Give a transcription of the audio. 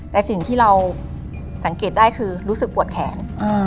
แต่สิ่งที่เราสังเกตได้คือรู้สึกปวดแขน